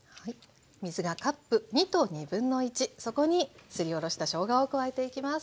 そこにすりおろしたしょうがを加えていきます。